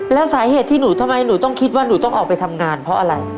แล้วสาเหตุที่หนูทำไมหนูต้องคิดว่าหนูต้องออกไปทำงานเพราะอะไร